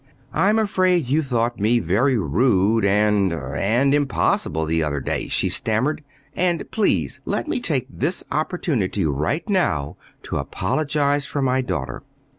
"I'm afraid you thought me very rude and and impossible the other day," she stammered. "And please let me take this opportunity right now to apologize for my daughter.